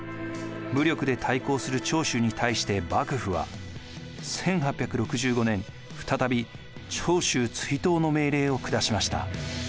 武力で対抗する長州に対して幕府は１８６５年再び長州追討の命令を下しました。